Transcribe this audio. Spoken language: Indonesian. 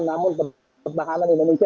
namun pertahanan indonesia